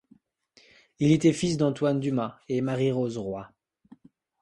Il était fils d'Antoine Dumas et Marie-Rose Roy.